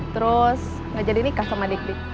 terus gak jadi nikah sama dik dik